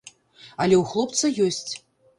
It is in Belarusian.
Але ў хлопца ёсць.